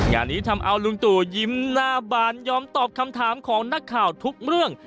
งานนี้ทำเอาลุงตู่ยิ้มหน้าบานยอมตอบคำถามของนักข่าวทุกเรื่อง